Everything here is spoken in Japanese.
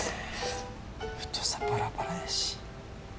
太さバラバラやし。